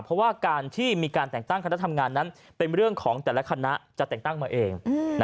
เพราะว่าการที่มีการแต่งตั้งคณะทำงานนั้นเป็นเรื่องของแต่ละคณะจะแต่งตั้งมาเอง